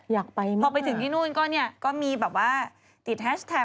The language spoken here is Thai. อยากไปมากพอไปถึงที่นู่นก็เนี่ยก็มีแบบว่าติดแฮชแท็ก